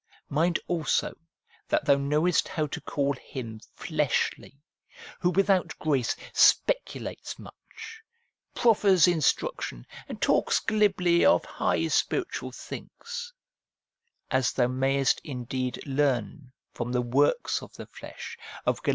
Mind also that thou knuwest how to call him ' fleshly,' who without grace speculates much, profiers instruction, and talks glibly of high spiritual things ; as thou mayest indeed leam from the works of the flesh of Gal.